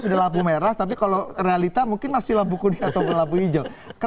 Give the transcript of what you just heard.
sudah lampu merah tapi kalau realita mungkin masih lampu kuning atau lampu hijau tapi secara budaya